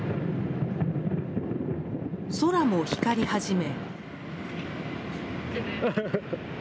空も光り始め。